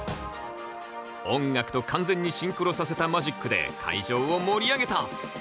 音楽と完全にシンクロさせたマジックで会場を盛り上げた。